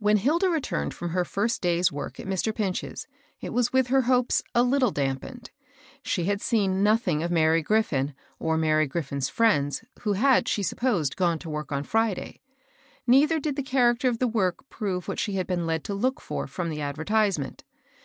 I HEN Hilda returned from her first day's work at Mr. Pinch's, it was with her hopes a little dampened. She had seen nothing of Mary Griffin or Mary Grif fin's fiiends, who had, she supposed, gone to work on Friday. Neither did the character of the work prove what she had been led to look for from the advertisement.